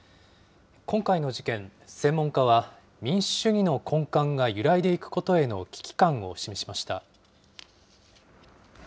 今回の事件、専門家は、民主主義の根幹が揺らいでいくことへの危機感を示しました。